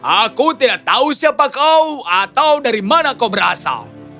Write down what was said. aku tidak tahu siapa kau atau dari mana kau berasal